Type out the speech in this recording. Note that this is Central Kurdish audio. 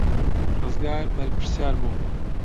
ڕزگار بەرپرسیار بوو.